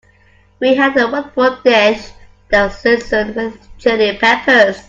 We had a wonderful dish that was seasoned with Chili Peppers.